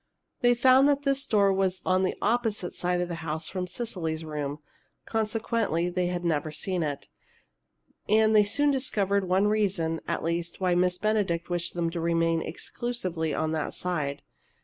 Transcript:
They found that this door was on the opposite side of the house from Cecily's room: consequently, they had never seen it. And they soon discovered one reason, at least, why Miss Benedict wished them to remain exclusively on that side.